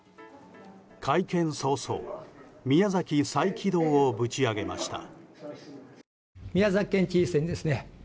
会見早々宮崎再起動を打ち上げました。